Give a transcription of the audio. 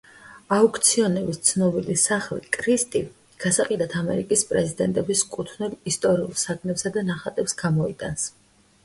აუქციონების ცნობილი სახლი „კრისტი“ გასაყიდად ამერიკის პრეზიდენტების კუთვნილ ისტორიულ საგნებსა და ნახატებს გამოიტანს.